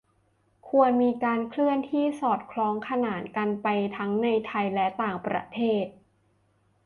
ควรมีการเคลื่อนที่สอดคล้องขนานกันไปทั้งในไทยและต่างประเทศ